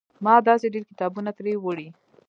ما داسې ډېر کتابونه ترې وړي.